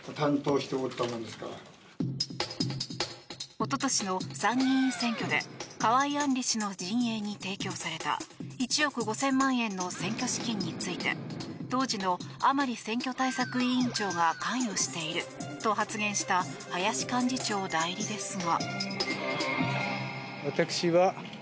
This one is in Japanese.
おととしの参議院選挙で河井案里氏の陣営に提供された１億５０００万円の選挙資金について当時の甘利選挙対策委員長が関与していると発言した林幹事長代理ですが。